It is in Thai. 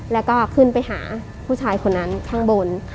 แล้วก็ขึ้นไปหาผู้ชายคนนั้นข้างบน